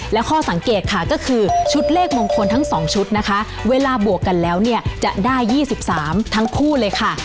และข้อสังเกตค่ะก็คือชุดเลขมงคลทั้ง๒ชุดนะคะเวลาบวกกันแล้วเนี่ยจะได้๒๓ทั้งคู่เลยค่ะ